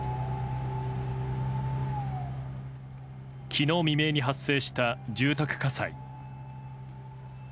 昨日未明に発生した住宅火災。